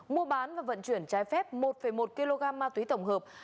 mua bán và vận chuyển trái phép một một kg ma túy tổng hợp